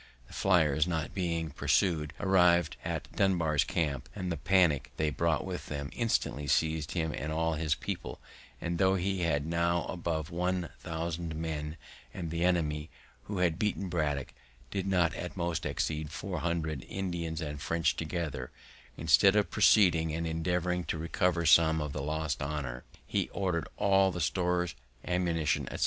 The flyers, not being pursu'd, arriv'd at Dunbar's camp, and the panick they brought with them instantly seiz'd him and all his people; and, tho' he had now above one thousand men, and the enemy who had beaten Braddock did not at most exceed four hundred Indians and French together, instead of proceeding, and endeavouring to recover some of the lost honour, he ordered all the stores, ammunition, etc.